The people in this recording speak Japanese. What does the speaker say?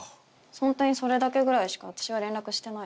ホントにそれだけぐらいしか私は連絡してない。